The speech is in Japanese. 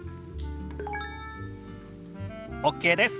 ＯＫです。